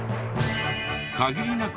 限りなく